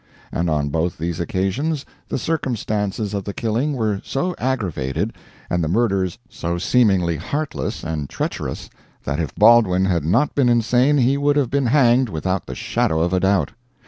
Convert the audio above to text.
And on both these occasions the circumstances of the killing were so aggravated, and the murders so seemingly heartless and treacherous, that if Baldwin had not been insane he would have been hanged without the shadow of a doubt.